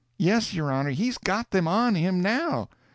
Yes, your honor, he's got them on him now."